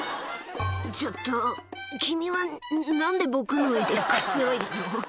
「ちょっと君は何で僕の上でくつろいでるの？」